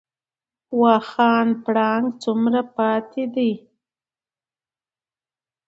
واخان پړانګ څومره پاتې دي؟